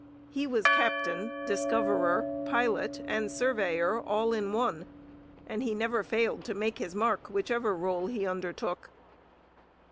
He was captain, discoverer, pilot, and surveyor, all in one; and he never failed to make his mark, whichever role he undertook.